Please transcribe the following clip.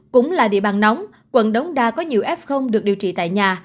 cũng là địa bàn nóng quận đống đa có nhiều f được điều trị tại nhà